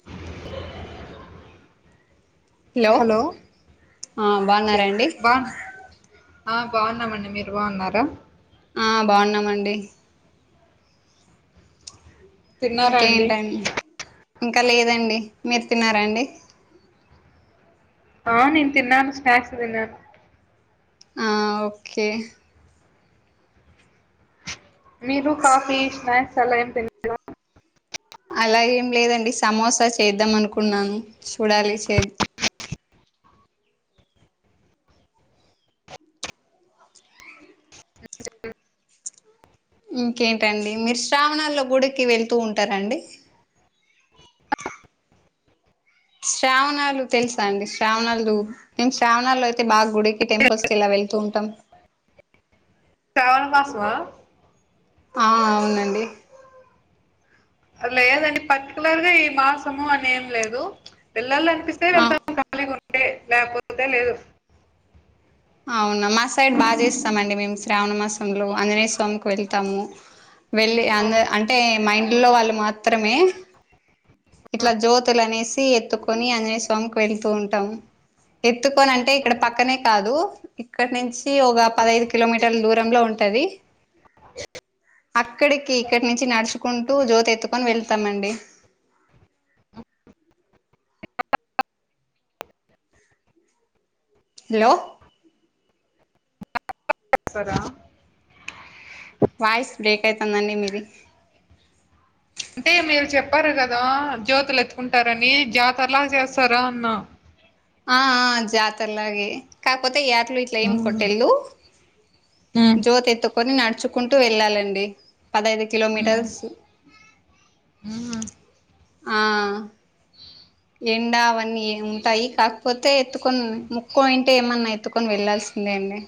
[unintelligible] Hello ఆ చెప్ బాగున్నారాండి బా ఆ బాగున్నామండి మీరు బాగున్నారా ఆ బాగున్నామండి తిన్నారా అండి ఇంకేంటండి ఇంకా లేదండి మీరు తిన్నారాండి ఆ నేను తిన్నాను స్నాక్స్ తిన్నాను అ ఓకే మీరు కాఫీ స్నాక్స్ అలా ఏం తిన అలా ఏం లేదండి సమోసా చేద్దాం అనుకున్నాను చూడాలి చే ఇంకేంటండి మీరు శ్రావణాల్లో గుడికి వెళ్తూ ఉంటారండి శ్రావణాలు తెలుసా అండి శ్రావణాలు మేము శ్రావణాలో అయితే బాగా గుడికి టెంపుల్స్ కి ఇలా వెళ్తూ ఉంటాం శ్రావణ మాసమ్ ఆ ఆ అవునండి లేదండి పర్టికులర్ గా ఈ మాసము అని ఏం లేదు వెళ్లాలనిపిస్తే ఆ వెళ్తా ఖాళీగా ఉంటే లేకపోతే లేదు. అవునా మా సైడ్ బాగా చేస్తాంమండి మేము. శ్రావణ మాసంలో అంజనేయ స్వామి వెళ్తాము వెళ్ళి, ఆ అంటే మాఇంట్లో వాళ్ళు మాత్రమే. ఇట్లా జ్యోతులు అనేసి ఎత్తుకొని ఆంజనేయ స్వామికి వెళ్తూ ఉంటాము. ఎత్తుకొని అంటే ఇక్కడ పక్కనే కాదు ఇక్కడ నుంచి ఒక పదైదు కిలోమీటర్ల దూరంలో ఉంది. అది అక్కడికి ఇక్కడి నుంచి నడుచుకుంటూ జ్యోతి ఎత్తుకొని వెళ్తామండి. హలో కదా వాయిస్ బ్రేక్ అయితా ఉందండి మీది. అంటే మీరు చెప్పారు కదా జ్యోతులు ఎత్తుకుంటారని జాతరలా చేస్తారా? అన్నా ఆ ఆ జాతరలాగే కాకపోతే యాట్లు ఇట్లా అవును ఏం ఉమ్ కొట్టేదిలేదు. ఉమ్ జ్యోతి ఎత్తుకొని నడుచుకుంటూ వెళ్ళాలండి పదహేను కిలోమీటర్లు. [inaudible] ఆ ఎండా అవన్నీ ఉంటాయి. కాకపోతే ఎత్తుకొని మొక్కు ఉంటే ఏమన్నా ఎత్తుకొని వెళ్లాాల్సిందే అండి.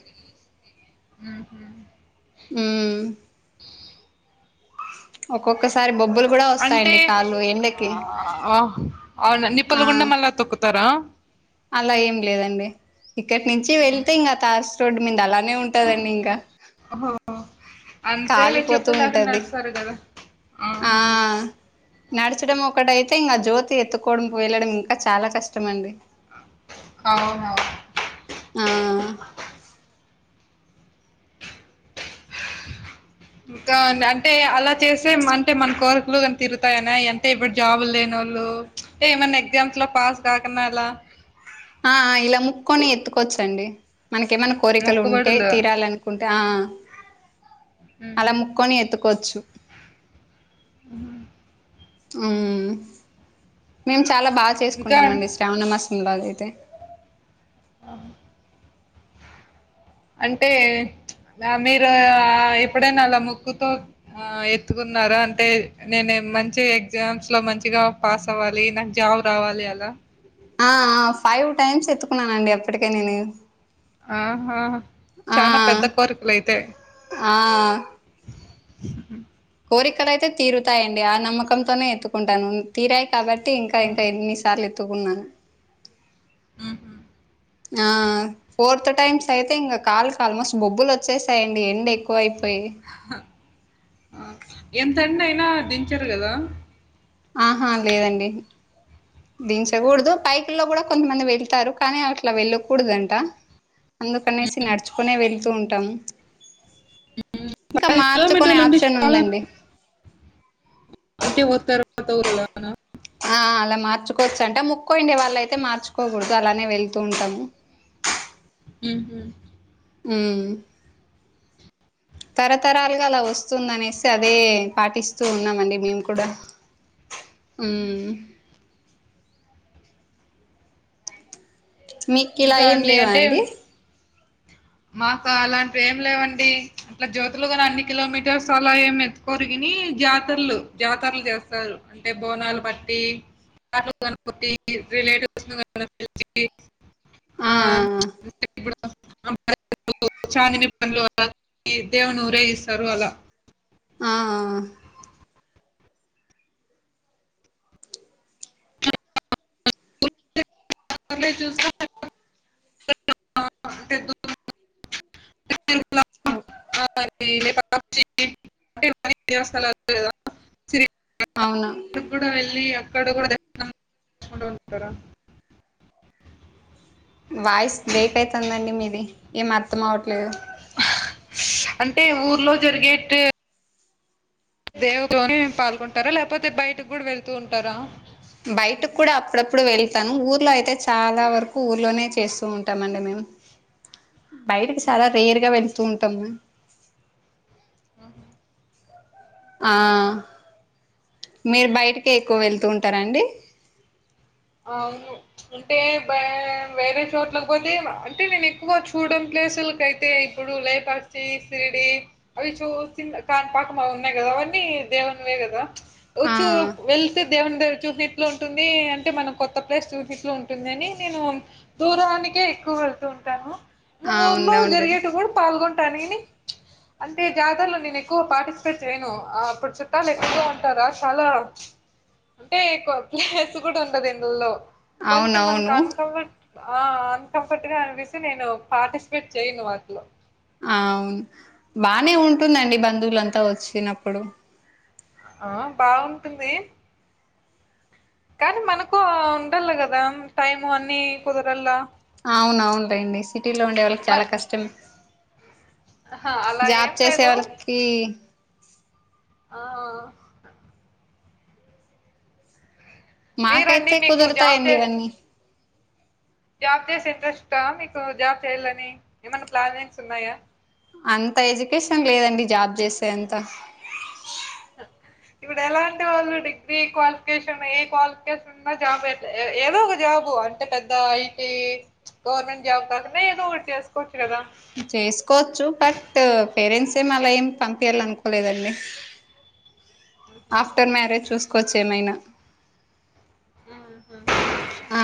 మ్ మ్ ఒక్కొక్కసారి బొబ్బులు కూడా అంటే వస్తాయండి కాళ్ళు ఎండకి ఆ నిప్పుల ఆ గుండం మళ్ళా తొక్కు తారా? అలా ఏం లేదండి ఇక్కడి నుంచి వెళ్తే ఇంకా తాస్ రోడ్డు మీద అలానే ఉంటదండి. ఇంకా ఓహో! అంటే మీరు కాలిపోతూ చెప్పులు లేకుండా ఉంటది నడుస్తారు కదా ఆ నడచడం ఒకటైతే ఇంకా జ్యోతి ఎత్తుకోవడం వెళ్ళడం ఇంకా చాలా కష్టమండి. అవునవును. ఆ ఇంకా అంటే అలా చేస్తే అంటే మన కోరికలు కానీ తీరుతాయనా అంటే ఇప్పుడు జాబులు లేనివాళ్ళు ఏమైనా ఎగ్జామ్స్ లో పాస్ కాకుండా అలా ఆ ఇలా మొక్కొని ఎత్తుకోవచ్చండి మనకు ఏమైన కోరికలు ఉంటే మొక్కుబడులు తీరాలన్నా. కోరికలు ఉంటే తీరాలనుకుంటే ఆ అలా. ఉమ్ మొక్కొని ఎత్తుకోవచ్చు. [inaudible] మేము చాలా బాగా ఇంకా చేసుకుంటామండి శ్రావణ మాసంలో అదయితే ఆ [inaudible] అంటే మీరు ఎప్పుడైనా నా మీదా అలా మొక్కుకో ఆ ఎత్తుకున్నారు అంటే నేను మంచి ఎగ్జామ్స్ లో మంచిగా పాస్ అవ్వాలి నాకు జాబ్ రావాలి అలా ఆ ఆ ఫైవ్ టైమ్స్ ఎత్తుకున్నానండి ఇప్పటికే నేను. ఆహా! ఆ చానా పెద్ద కోరికలు అయితే ఆ [inaudible] కోరికలు అయితే తీరుతాయండి. ఆ నమ్మకంతోనే ఎత్తుకుంటాను. తీరాయి కాబట్టి ఇంకా ఇంకా ఎన్ని సార్లు ఎత్తుకున్నా మ్ ఆ ఫోర్త్ టైమ్ అయితే, ఇంక కాలుకి ఆల్మోస్ట్ బొబ్బులు వచ్చేసాయండి. ఎండ ఎక్కువ అయిపోయి. ఎంత ఎండ అయినా దించరు కదా? ఆహా! లేదండి దించకూడదు పైపులో కూడా కొంతమంది వెళ్తారు కానీ అట్లా వెళ్ళకూడదంట అందుకనేసి నడుచుకునే వెళ్తూ ఉంటాము ఇంకా పది మార్చుకునే కిలోమీటర్లంటే ఆప్షన్ చాలా ఉందండి అంటే ఓతర పాత ఊరలానా ఆ అలా మార్చుకోవచ్చు అంట మొక్కు ఉండే వాళ్ళ అయితే మార్చుకోకూడదు అలానే వెళ్తూ ఉంటాము. ఉహుం ఊ తరతరాలుగా అలా వస్తుంది అనేసి అదే పాటిస్తూ ఉన్నామండి మేము కూడా హ్మ్ మీక్కి ఇలా ఇంకా ఏం లేవా అంటే అండి మాకు అలాంటివి ఏం లేవండి అట్లా జ్యోతులు కాని అన్ని కిలోమీటర్స్ అలా ఏం ఎత్తుకొరిగని జాతరలు జాతరలు చేస్తారు. అంటే బోనాలు బట్టి వాటిలా గణపతి రిలేటివ్స్ నా ఆ [inaudible] చాందిని బండ్లు అలా దేవుని ఊరేగిస్తారు అలా ఆ ఆ పర్లేదు చూసుకోవాలా [unintelligible] ఆహా [inaudible] అవునా అక్కడి కూడా వెళ్ళి అక్కడ కూడా దర్శనం తీసుకుంట ఉంటారా వాయిస్ బ్రేక్ అవుతుందండి మీది ఏం అర్థం అవట్లేదు. అంటే ఊర్లో జరిగేట్ దేవునుగోని పాల్గొంటారా లేకపోతే బయటకు కూడా వెళ్తూ ఉంటారా బయటకు కూడా అప్పుడప్పుడు వెళ్తాను ఊర్లో అయితే చాలా వరకు ఊర్లోనే చేస్తూ ఉంటాం అండి మేము బయటకి చాలా రేరుగా వెళుతూ ఉంటాము ఆ మీరు బయటికే ఎక్కువ వెలుతూ ఉంటారాండి అవును అంటే బా వేరే చోట్లలకు పోతే అంటే నేను ఎక్కువ చూడ ప్లేసులకు అయితే ఇప్పుడు లేపాక్షి షిరిడీ అవి చూసి కాణిపాకం అవి ఉన్నాయి కదా అవన్నీ దేవునివే కదా ఆ వచ్చు వెళ్తే దేవుని దగ్గరి చూసిట్లు ఉంటుంది అంటే మనం కొత్త ప్లేస్ చూసిట్లు ఉంటుందిని నేను దూరానికే ఎక్కువ వెళ్తూ ఉంటాను మా ఊర్లో అవును అవును జరిగేటివి కూడా పాల్గొంటానుని అంటే జాతరలో నేను ఎక్కువ పార్టిసిపేట్ చేయను ఆ అప్పుడు చుట్టాలు ఎక్కువగా ఉంటారా చాలా అంటే ఎక్కువ ప్లేస్ కూడా ఉండదండి లో కొంచెం మనకు అవునవును కంట్రోల్లో ఆ అన్కంఫర్ట్ గా అనిపిస్తే నేను పార్టిసిపేట్ చెయ్యను వాటిలో అ అవును బానే ఉంటుందండి బంధువులంతా వచ్చినప్పుడు ఆ బాగుంటుంది కానీ మనకు ఉండాల కదా టైం అన్ని కుదరలా అవునవును లేండి సిటీలో ఉండే వాళ్ళకి మ చాలా కష్టం ఆహా అలా జాబ్ ఏం చేసే లేదు వాళకి ఆ మీరండి మాకైతే మీకు జాబ్ కుదురుతాయండి చే ఇవన్నీ జాబ్ చేసె ఇంట్రెస్టా మీకు జాబ్ చేయ్యాలని ఏమనా ప్లానింగ్స్ ఉన్నాయా అంతా ఎడ్యుకేషన్ లేదండి జాబ్ చేసే అంత [inaudible] ఇప్పుడు ఎలాంటి వాళ్ళు డిగ్రీ క్వాలిఫికేషన్ ఏ క్వాలిఫికేషన్ చిన్న జాబ్ ఎట్లా ఏదో ఒక జాబు అంటే పెద్ద ఐటీ గవర్నమెంట్ జబ్ కాకున్నా ఏదొ ఒకటి చేసుకోవచ్చు కదా చేసుకోవచ్చు బట్ పేరెంట్స్ ఏం అలా ఏం పంపియాల అనుకోలేదండి ఆఫ్టర్ మ్యారేజ్ చూసుకోవచ్చు ఏమైనా మ్మ్ఉహ్మ్ ఆ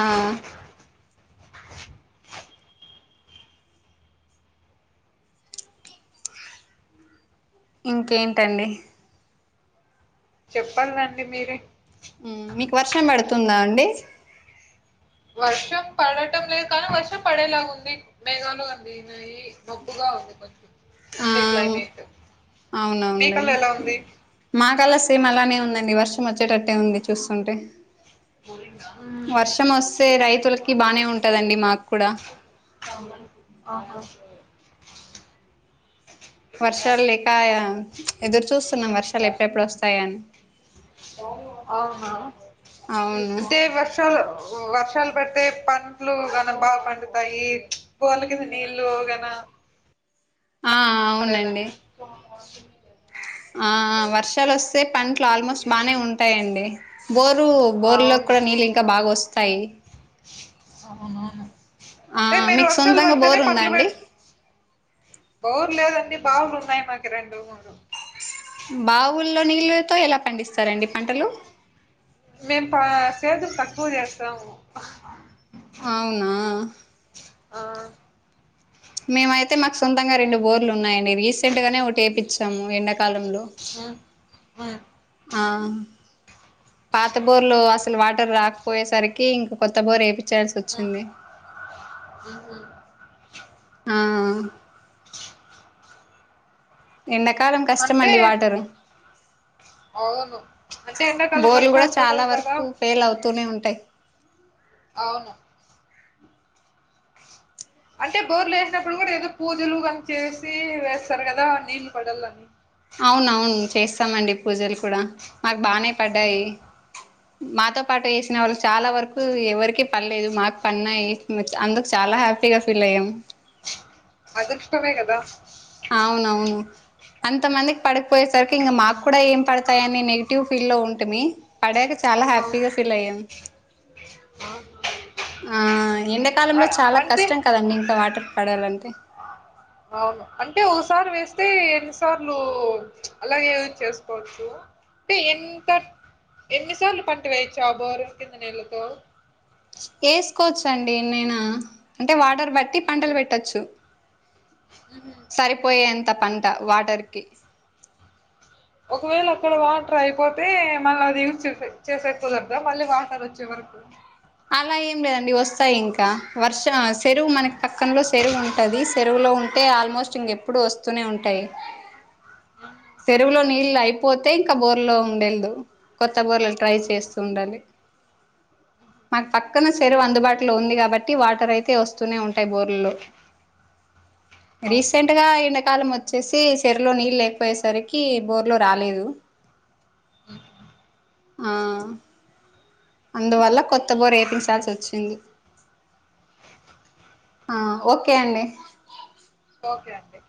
ఇంకేంటండి చెప్పాలండి మీరే ఉమ్మ్ మీకు వర్షం పడుతుందా అండి వర్షం పడటం లేదు కానీ వర్షం పడేలాగా ఉంది మేఘాలు అన్ని ఉన్నాయి ది మబ్బుగా ఉంది కొంచం ఆ అంటే క్లైమేట్ మీకల్ల ఎలా ఉంది మా కళ్ళ సేమ్ అలానే ఉందండి వర్షం వచ్చేటట్టే ఉంది చూస్తుంటే వర్షం వస్తే రైతులకి బానే ఉంటదండి మాకూడా ఆ అక్క వర్షాలు లేక ఎదురు చూస్తున్నాం వర్షాలు ఎప్పుడెప్పుడు వస్తాయని అవునా అవును అంటే వర్షాలు వర్షాలు పడితే పంట్లు గానీ బాగా పండుతాయి బోల కింద నీళ్లు గాన ఆ అవునండి లెదన్న ఆ ఆ వర్షాలు వస్తే పంట్లు ఆల్మోస్ట్ బానే ఉంటాయండి బోరు బోర్లకు అవును కూడా నీళ్ళు ఇంకా బాగా వస్తాయి అవునవును ఆ అంటే మీరు మీకు వర్షాలు సొంతంగా పడితేనే బోర్ ఉందా పంటలు పె అండి బోర్ లేదండి బావులు ఉన్నాయి మాకి రెండు మూడు బావుల్లో నీళ్ళతో ఎలా పండిస్తారండి పంటలు మేము ప సేద్యం తక్కువ చేస్తాము అవునా ఆ మేమైతే మాకు సొంతంగా రెండు బోర్లు ఉన్నాయండి రీసెంట్గానే ఒకటి ఎపిచ్చాము ఎండాకాలంలో వ బ [inaudible] ఆ పాత బొర్లో అసలు వాటర్ రాక పోయేసరికి ఇంకా కొత్త బోరు ఎపిచ్చాల్సి ఉమ్, వచ్చింది ఉహు. ఆ ఆ ఎండాకాలం అంటే కష్టమండి వాటరు అవును అంటే ఎండాకాలం వర్షాలు పడవు కదా ఫెల్ అవుతూనే ఉంటాయి అవును అంటే బోర్లు ఏసినప్పుడు కూడా ఏదో పూజలు కని చేేసి వేస్తారు కదా నీళ్ళ పడలని అవునవును చేస్తామండి పూజలు కూడా మాకు బానే పడ్డాయి ఉమ్, మాతో పాటు ఏసిన వాళ్ళు చాలా వరకూ ఎవరికీ పడలేదు మాకు పడినాయి అందుకు చాలా హ్యా పీగా ఫీల్ అయ్యం అదృష్టమే కదా ఆవునవును అంత మందికి పడకపోయేసరికి ఇంక మాకు కూడా ఏం పడతాయని నెగిటివ్ ఫీల్ లో ఉంటిమి పడాక చాలా అవును హ్యాపీగా ఫీల్ అయ్యాం ఆ ఎండకాలంలో ఆ, చాలా అంటే కష్టం కదండి ఇంక వాటర్ పడాలంటే అవును అంటే ఒకసారి వేస్తే ఎన్నిసార్లు అలాగే యూస్ చేసుకోవచ్చు టే ఎంటక్ ఎన్నిసార్లు పంట వేయొచ్చు ఆ బోరం కింద నీళ్లతో ఏసుకోవచ్చ అండి ఎన్నైనా అంటే వాటర్ బట్టి పంటలు పెట్టచ్చు ఊహూ సరిపోయేంత పంట వాటర్ కి ఒకవేళ అక్కడ వాటర్ అయిపోతే మళ్ళీ అది యూజ్ చేస చేసేకి కుదరదా మళ్ళీ వాటర్ వచ్చే వరకు అలా ఏం లేదండి వస్తాయి ఇంకా వర్ష సెరువు మనకి హ్మ్. పక్కంలో సెరువు ఉంటది సె రువులో ఉంటే ఆల్మోస్ట్ ఇంకెప్పుడూ వస్తూనే ఉంటాయి అ చెరువులో నీళ్ళు అయిపోతే ఇంకా బోర్ లో ఉండెల్దు కొత్త బోర్లలు ట్రై చేస్తూ ఉండాలి మాకు పక్కన చెరువు అందుబాటులో ఉంది కాబట్టి వాటర్ అయితే వస్తూనే ఉంటాయి బోర్లుల్లో అవునా! రీసెంట్గా ఎండాకాలం వచ్చేసి సెర్లో నీళ్ళే పోయే సరికి బోర్ లో రాలేదు ఆ అందువల్ల కొత్త బోర్ ఏపించాల్సొచ్చింది ఆ ఓకే అండి ఓకే అండి